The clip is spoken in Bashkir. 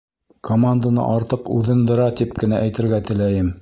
Команданы артыҡ уҙындыра тип кенә әйтергә теләйем.